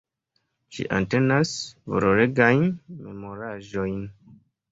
Ĝi entenas valoregajn memoraĵojn.